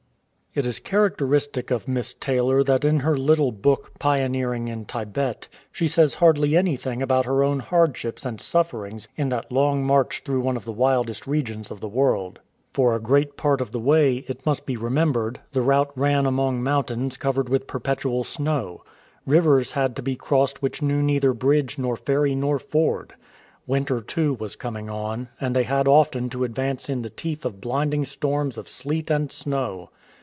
It is characteristic of Miss Taylor that in her little book. Pioneering in Thibet^ she says hardly anything about her own hardships and sufierings in that long march through one of the wildest regions of the world. 82 A TIBETAN l.OVE STORY For a great part of the way, it must be remembered, the route ran among mountains covered with perpetual snow. Rivers had to be crossed which knew neither bridge nor ferry nor ford. Winter too was coming on, and they had often to advance in the teeth of blinding storms of sleet and snow.